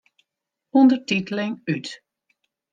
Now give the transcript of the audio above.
Undertiteling út.